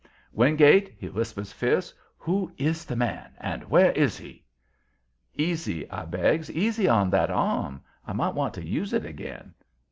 "Wingate," he whispers, fierce, "who is the man? And where is he?" "Easy," I begs. "Easy on that arm. I might want to use it again.